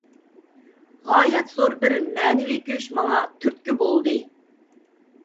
غايەت زور بىر مەنىۋى كۈچ ماڭا تۈرتكە بولدى.